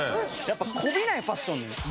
やっぱこびないファッションです